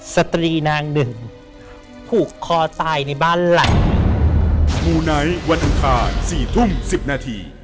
สตรีนางหนึ่งผูกคอตายในบ้านหลัง